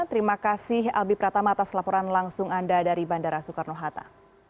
terima kasih albi pratama atas laporan langsung anda dari bandara soekarno hatta